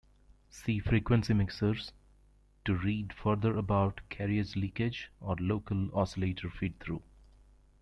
See frequency mixers, to read further about carrier leakage or local oscillator feedthrough.